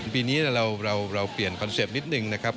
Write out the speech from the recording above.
ปีนี้เราเปลี่ยนคอนเซ็ปต์นิดนึงนะครับ